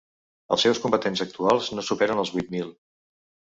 Els seus combatents actuals no superen els vuit mil.